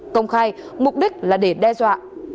công khai mục đích là để đe dọa